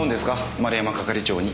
丸山係長に。